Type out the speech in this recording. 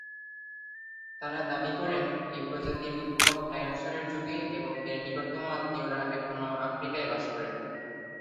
তারা দাবি করেন, এই প্রজাতির উদ্ভব ডাইনোসরের যুগে এবং এর নিকটতম আত্মীয়রা এখনো আফ্রিকায় বাস করে।